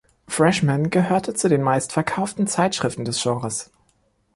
Freshmen gehörte zu den meistverkauften Zeitschriften des Genres.